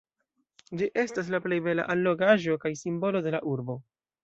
Ĝi estas la plej bela allogaĵo kaj simbolo de la urbo.